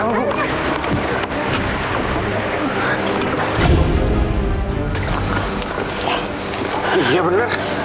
hai hai iya bener